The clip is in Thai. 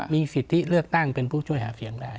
มีสิทธิเลือกตั้งเป็นผู้ช่วยหาเสียงได้